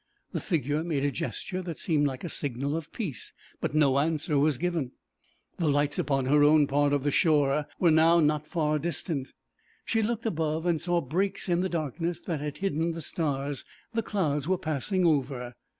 The figure made a gesture that seemed like a signal of peace, but no answer was given. The lights upon her own part of the shore were now not far distant. She looked above and saw breaks in the darkness that had hidden the stars; the clouds were passing over.